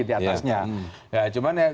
di atasnya cuman ya